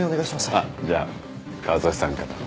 あっじゃ川添さんから。